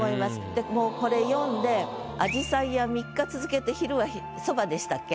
でもうこれ読んで「あじさいや三日続けて昼は蕎麦」でしたっけ？